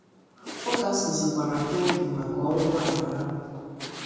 Ọ kasizịrkwara ha obi maka ọnwụ nwaanyị ahụ